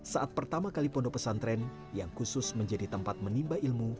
saat pertama kali pondok pesantren yang khusus menjadi tempat menimba ilmu